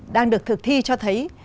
đang được thực thi cho thấy